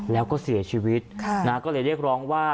แล้วก็เสียชีวิตก็เลยเรียกร้องว่า